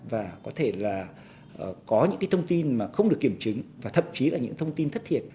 và có thể là có những thông tin mà không được kiểm chứng và thậm chí là những thông tin thất thiệt